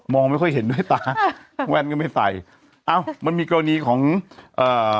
องไม่ค่อยเห็นด้วยตาแว่นก็ไม่ใส่เอ้ามันมีกรณีของเอ่อ